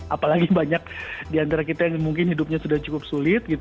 apalagi banyak di antara kita yang mungkin hidupnya sudah cukup sulit